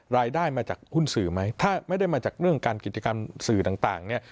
รายได้มาจากหุ้นสื่อไหมถ้าไม่ได้มาจากเรื่องการกิจกรรมสื่อต่างเนี่ย